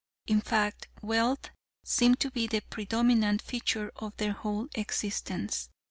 In fact, wealth seemed to be the predominant feature of their whole existence.